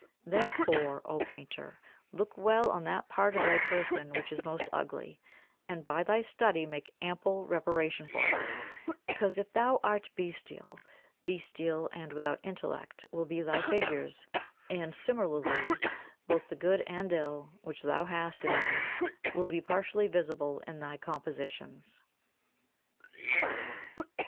Therefore, O painter, look well on that part of thy person which is most ugly, and by thy study make ample reparation for it, because if thou art bestial, bestial and without intellect will be thy figures, and similarly both the good and ill which thou hast in thee will be partially visible in thy compositions.